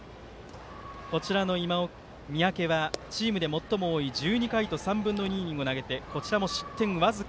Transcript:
こちらの三宅はチームで最も多い１２回と３分の２イニング投げました。